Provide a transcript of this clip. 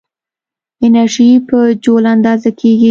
انرژي په جول اندازه کېږي.